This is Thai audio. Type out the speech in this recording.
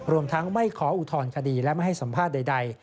รวมทั้งไม่ขออุทธรณคดีและไม่ให้สัมภาษณ์ใด